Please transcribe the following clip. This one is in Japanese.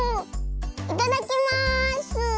いただきます！